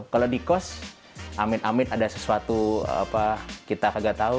kalau di kos amin amin ada sesuatu kita tidak tahu